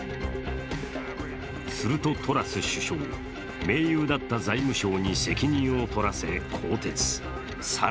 するとトラス首相、盟友だった財務相に責任を取らせ、更迭。